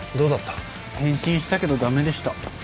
返信したけど駄目でした。